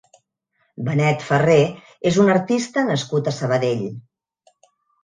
Benet Ferrer és un artista nascut a Sabadell.